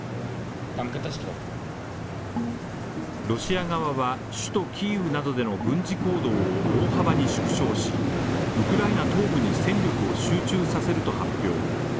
ロシア側は首都キーウなどでの軍事行動を大幅に縮小しウクライナ東部に戦力を集中させると発表。